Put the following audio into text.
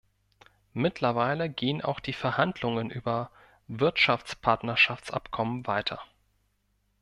Mittlerweile gehen auch die Verhandlungen über Wirtschaftspartnerschaftsabkommen weiter.